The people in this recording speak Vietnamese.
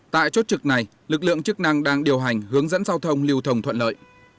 tại chốt trực này lực lượng chức năng đang điều hành hướng dẫn giao thông lưu thông thuận lợi